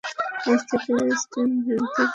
আজ থেকে Saint Vincent থেকে কিছু শুয়োরের বিদায় হলো।